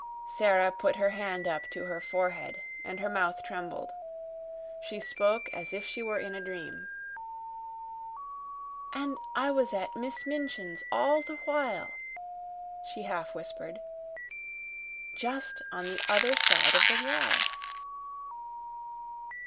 Sara put her hand up to her forehead, and her mouth trembled. She spoke as if she were in a dream. "And I was at Miss Minchin's all the while," she half whispered. "Just on the other side of the wall."